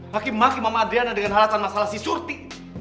laki laki mama adriana dengan hal tanpa masalah si surti